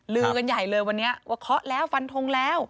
ลือกันใหญ่เลยวันนี้ว่าเคาะแล้วฟันทงแล้ว